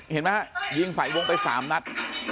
เห็นไหมฮะยิงใส่วงไป๓นัด